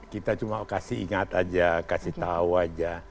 kita cuma kasih ingat aja kasih tahu aja